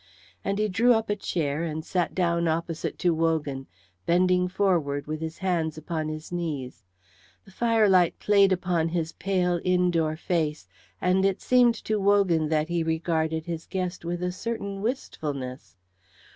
And he drew up a chair and sat down opposite to Wogan, bending forward with his hands upon his knees. The firelight played upon his pale, indoor face, and it seemed to Wogan that he regarded his guest with a certain wistfulness.